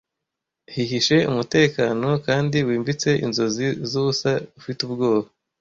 hihishe umutekano kandi wimbitse inzozi zubusa ufite ubwoba